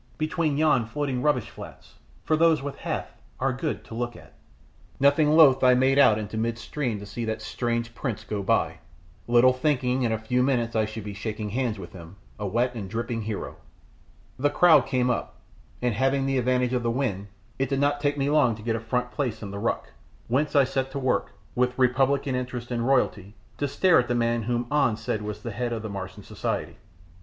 between yon floating rubbish flats, for those with Hath are good to look at." Nothing loth I made out into mid stream to see that strange prince go by, little thinking in a few minutes I should be shaking hands with him, a wet and dripping hero. The crowd came up, and having the advantage of the wind, it did not take me long to get a front place in the ruck, whence I set to work, with republican interest in royalty, to stare at the man who An said was the head of Martian society.